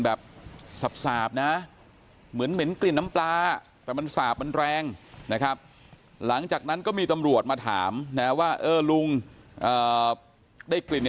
แบบสาบนะเหมือนเหม็นกลิ่นน้ำปลาแต่มันสาบมันแรงนะครับหลังจากนั้นก็มีตำรวจมาถามนะว่าเออลุงได้กลิ่น